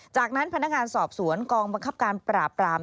จากนั้นพนักงานสอบสวนกองบังคับการปราบปราม